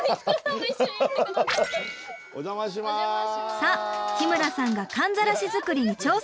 さあ日村さんがかんざらし作りに挑戦！